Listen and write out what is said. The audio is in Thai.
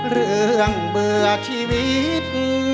เมื่อเบื่อชีวิต